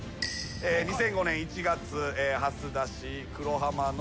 ２００５年１月蓮田市黒浜の